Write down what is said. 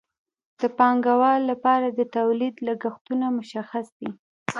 د پانګوال لپاره د تولید لګښتونه مشخص دي